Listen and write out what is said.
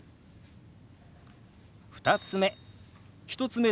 ２つ目。